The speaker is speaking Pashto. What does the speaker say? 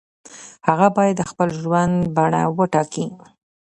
هغه باید د خپل ژوند بڼه وټاکي.